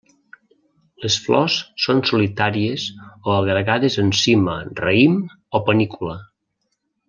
Les flors són solitàries o agregades en cima, raïm o panícula.